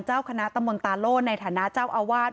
เจ้าคณะตำบลตาโล่ในฐานะเจ้าอาวาส